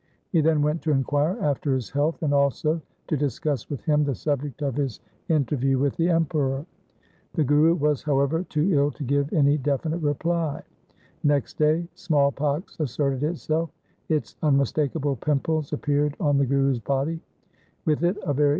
He then went to inquire after his health, and also to discuss with him the subject of his inter 1 Death's myrmidons. 2 Sri Rag. LIFE OF GURU HAR KRISHAN 327 view with the Emperor. The Guru was, however, too ill to give any definite reply. Next day small pox asserted itself. Its unmis takable pimples appeared on the Guru's body. With it a very